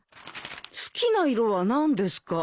「好きな色はなんですか？」